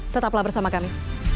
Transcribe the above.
tetaplah bersama kami